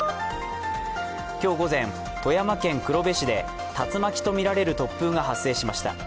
今日午前、富山県黒部市で竜巻とみられる突風が発生しました。